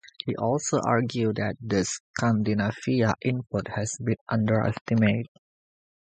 He also argued that the Scandinavian input has been underestimated.